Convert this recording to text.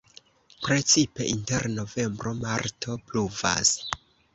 Precipe inter novembro-marto pluvas.